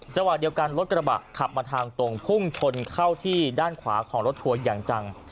จังหวะเดียวกันรถกระบะขับมาทางตรงพุ่งชนเข้าที่ด้านขวาของรถทัวร์อย่างจัง